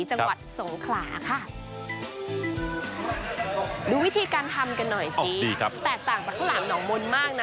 จังหวัดสงขลาค่ะดูวิธีการทำกันหน่อยสิครับแตกต่างจากข้าวหลามหนองมนต์มากนะ